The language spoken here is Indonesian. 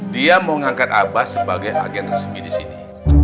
dia mau ngangkat abah sebagai agen resmi disini